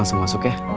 langsung masuk ya